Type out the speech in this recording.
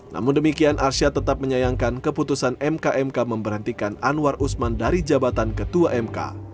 namun demikian arsyad tetap menyayangkan keputusan mk mk memberhentikan anwar usman dari jabatan ketua mk